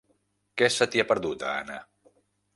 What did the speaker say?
Què se t'hi ha perdut, a Anna?